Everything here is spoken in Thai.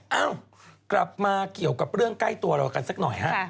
เอ้ากลับมาเกี่ยวกับเรื่องใกล้ตัวเรากันสักหน่อยฮะ